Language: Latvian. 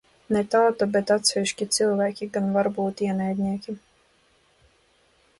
Ne tauta, bet atsevišķi cilvēki gan var būt ienaidnieki.